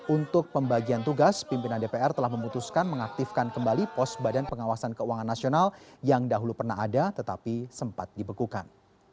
untuk pembagian tugas pimpinan dpr telah memutuskan mengaktifkan kembali pos badan pengawasan keuangan nasional yang dahulu pernah ada tetapi sempat dibekukan